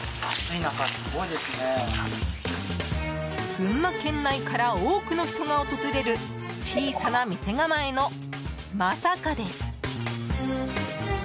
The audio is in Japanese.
群馬県内から多くの人が訪れる小さな店構えの、まさかです。